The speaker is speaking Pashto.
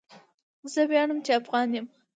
زه وياړم چي افغان يم.